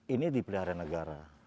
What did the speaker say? ini dipelihara negara